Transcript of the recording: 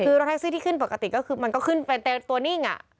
คือรถแท็กซี่ที่ขึ้นปกติก็คือมันก็ขึ้นไปเต็มตัวนิ่ง